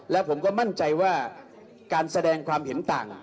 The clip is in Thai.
แล้วผมก็มั่นใจว่าการแสดงความเห็นต่าง